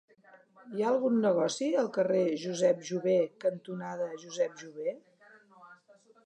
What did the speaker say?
Hi ha algun negoci al carrer Josep Jover cantonada Josep Jover?